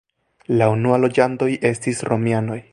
La unua loĝantoj estis romianoj.